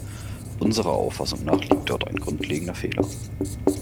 Unserer Auffassung nach liegt dort ein grundlegender Fehler.